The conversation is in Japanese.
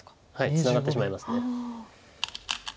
ツナがってしまいます。